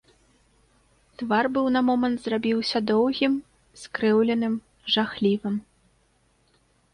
Твар быў на момант зрабіўся доўгім, скрыўленым, жахлівым.